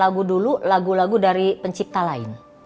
lagu dulu lagu lagu dari pencipta lain